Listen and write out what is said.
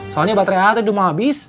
soalnya baterai hati udah mau habis